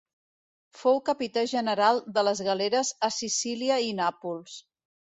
Fou capità general de les galeres a Sicília i Nàpols.